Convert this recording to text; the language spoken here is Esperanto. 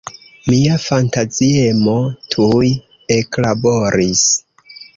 Mia fantaziemo tuj eklaboris.